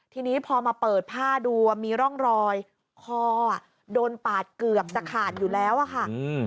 ทีนี้พอมาเปิดผ้าดูมีร่องรอยคอโดนปาดเกือบจะขาดอยู่แล้วอะค่ะ